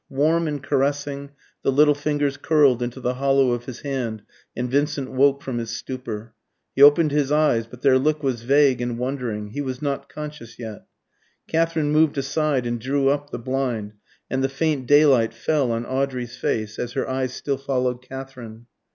Warm and caressing, the little fingers curled into the hollow of his hand and Vincent woke from his stupor. He opened his eyes, but their look was vague and wondering; he was not conscious yet. Katherine moved aside and drew up the blind, and the faint daylight fell on Audrey's face, as her eyes still followed Katherine.